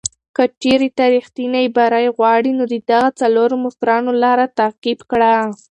که چېرې ته ریښتینی بری غواړې، نو د دغو څلورو مشرانو لاره تعقیب کړه.